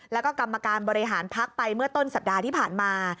แล้วก็กรรมการบริหารพักไปเมื่อต้นสัปดาห์ที่ผ่านมา